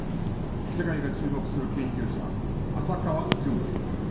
世界が注目する研究者浅川純。